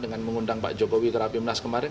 dengan mengundang pak jokowi ke rapimnas kemarin